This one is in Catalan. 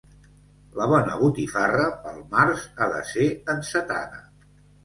La bona botifarra pel març ha de ser encetada.